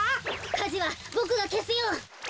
かじはボクがけすよ。